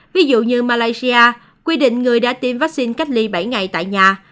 ví dụ như malaysia quy định người đã tiêm vaccine cách ly bảy ngày tại nhà